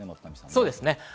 そうですね。